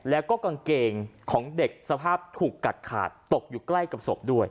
แล้วก็กางเกงของเด็กสภาพถูกกัดขาดตกอยู่ใกล้กับศพด้วย